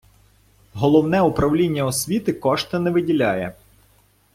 Головне управління освіти кошти не виділяє.